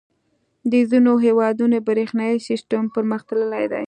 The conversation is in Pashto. • د ځینو هېوادونو برېښنايي سیسټم پرمختللی دی.